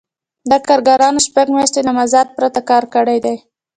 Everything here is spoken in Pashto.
دا کارګرانو شپږ میاشتې له مزد پرته کار کړی دی